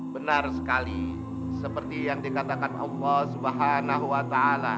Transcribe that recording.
benar sekali seperti yang dikatakan allah swt